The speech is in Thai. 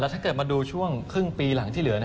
ถ้าเกิดมาดูช่วงครึ่งปีหลังที่เหลือ